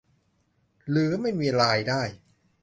หรือไม่มีรายได้